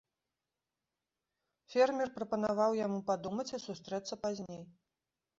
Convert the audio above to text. Фермер прапанаваў яму падумаць і сустрэцца пазней.